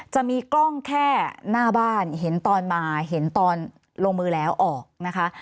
จะมีกล้องแค่หน้าบ้านเห็นตอนมาเห็นตอนลงมือแล้วออกนะคะ